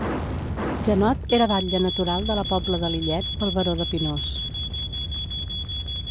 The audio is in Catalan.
Janot era batlle natural de La Pobla de Lillet pel baró de Pinós.